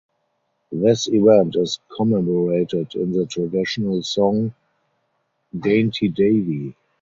This event is commemorated in the traditional song "Dainty Davie".